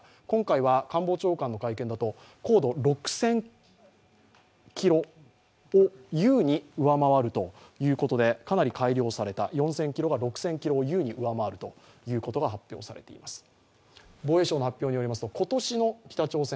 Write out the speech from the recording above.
今回は官房長官の会見では高度６０００ｋｍを優に上回るということでかなり改良された４０００ｋｍが６０００ｋｍを優に上回ると発表されています。